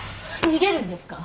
逃げるんですか？